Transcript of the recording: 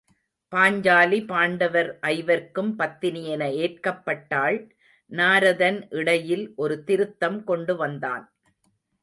பாஞ்சாலி பாண்டவர் ஐவர்க்கும் பத்தினி என ஏற்கப்பட்டாள் நாரதன் இடையில் ஒரு திருத்தம் கொண்டு வந்தான்.